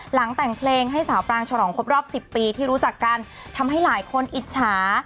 หลังแต่งเพลงให้สาวปรางฉลองครบรอบ๑๐ปีที่รู้จักกันทำให้หลายคนอิจฉา